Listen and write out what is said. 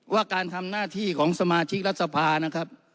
ว่าการทำหน้าที่ของสมาชิกรัฐสภานะครับ